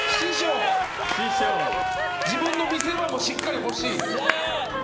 自分の見せ場もしっかり欲しい。